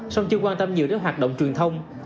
song chưa quan tâm nhiều đến hoạt động truyền thông